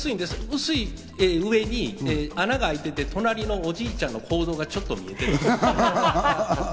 薄い上に穴が開いてて、隣のおじいちゃんの行動がちょっと見えてる。